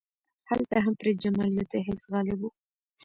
هلته هم پرې جمالیاتي حس غالب و.